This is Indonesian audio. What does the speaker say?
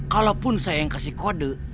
kalaupun saya yang kasih kode